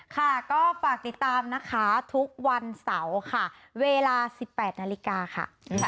ค่ะก็ฝากติดตามนะคะทุกวันเสาร์ค่ะเวลา๑๘นาฬิกาค่ะ